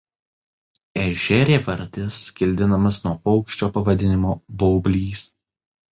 Ežerėvardis kildinamas nuo paukščio pavadinimo "baublys".